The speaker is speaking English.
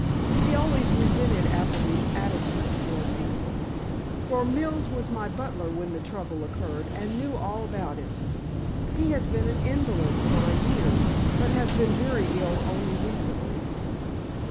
He always resented Appleby's attitude toward me—for Mills was my butler when the trouble occurred, and knew all about it. He has been an invalid for a year, but has been very ill only recently."